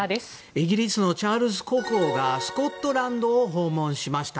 イギリスのチャールズ国王がスコットランドを訪問しました。